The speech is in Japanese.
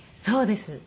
そうです。